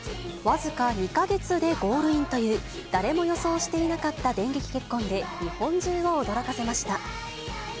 僅か２か月でゴールインという、誰も予想していなかった電撃結婚で、日本中を驚かせました。